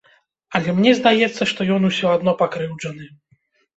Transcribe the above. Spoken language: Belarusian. Але мне здаецца, што ён усё адно пакрыўджаны.